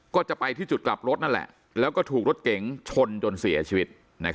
ก็จะไปที่จุดกลับรถนั่นแหละแล้วก็ถูกรถเก๋งชนจนเสียชีวิต